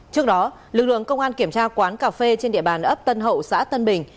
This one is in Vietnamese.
trước đó lực lượng công an kiểm tra quán cà phê trên địa bàn ấp tân hậu xã tân bình